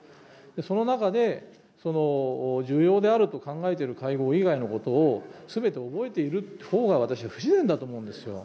その中で、重要であると考えている会合以外のことを、すべて覚えているほうが、私は不自然だと思うんですよ。